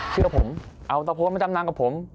เชื่อผมเอาตะโพนมาจำนางกับผม